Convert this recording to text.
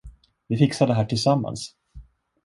Vi fixar det här, tillsammans!